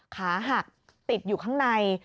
ขาหักติดอยู่ข้างใน